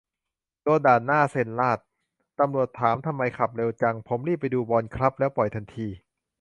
โดนด่านหน้าเซ็นลาด ตำรวจถามทำไมขับเร็วจัง ผมรีบไปดูบอลครับ แล้วปล่อยทันที